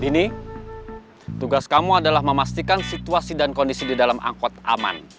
ini tugas kamu adalah memastikan situasi dan kondisi di dalam angkot aman